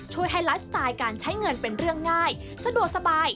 ให้ไลฟ์สไตล์การใช้เงินเป็นเรื่องง่ายสะดวกสบาย